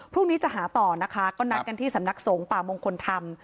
พรุ่งนี้จะหาต่อนะคะก็นัดกันที่สำนักสงฆ์ป่ามงคลธรรม